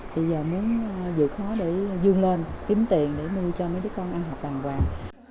thì giờ muốn dự khó để dương lên kiếm tiền để nuôi cho mấy đứa con ăn học đàng hoàng